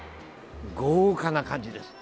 豪華な感じです。